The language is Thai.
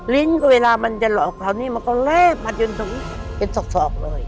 ลิ้นก็เวลามันจะหลอกคราวนี้มันก็แลบมาจนถึงเป็นศอกเลย